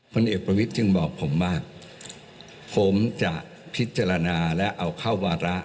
ผลเอกประวิทย์จึงบอกผมว่าผมจะพิจารณาและเอาเข้าวาระ